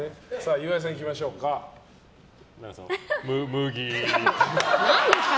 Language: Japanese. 岩井さんいきましょうか。